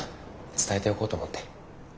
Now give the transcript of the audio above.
伝えておこうと思って。